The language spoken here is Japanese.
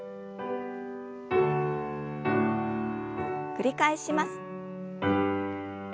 繰り返します。